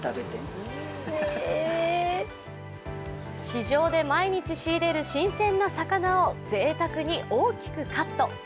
市場で毎日仕入れる新鮮な魚を贅沢に大きくカット。